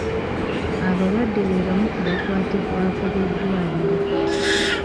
Abalwadde be bamu ku bakwatibwako b'eddwaliro.